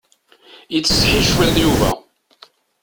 Yettseḥi cwiṭ Yuba.